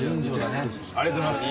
ありがとうございます。